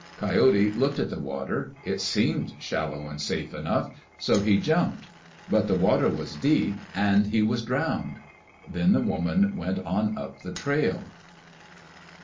Coyote looked at the water. It seemed shallow and safe enough, so he jumped. But the water was deep and he was drowned. Then the woman went on up the trail.